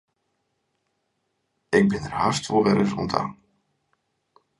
Ik bin der hast wolris wer oan ta.